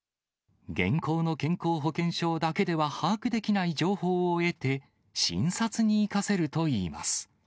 現行の健康保険証だけでは把握できない情報を得て、診察に生かせるといいます。